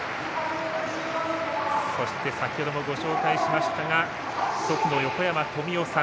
そして、先ほどもご紹介しましたが祖父の横山富雄さん